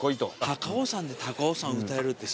高尾山で『尾山』歌えるって幸せ。